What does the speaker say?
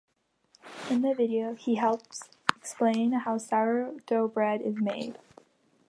In the video, he helps explain how sourdough bread is made.